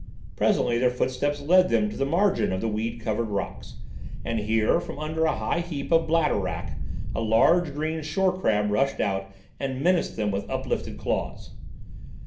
Presently their footsteps led them to the margin of the weed covered rocks, and here, from under a high heap of bladder wrack, a large green shorecrab rushed out and menaced them with uplifted claws.